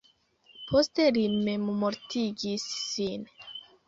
Poste li memmortigis sin.